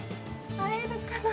会えるかな。